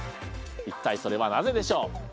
一体それはなぜでしょう。